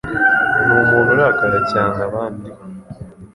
Ni umuntu urakara cyane abandi.